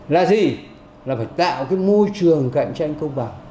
là gì là phải tạo cái môi trường cạnh tranh công bằng